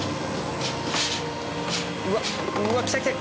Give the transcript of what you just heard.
うわっうわっきたきた！